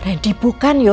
randy bukan yuk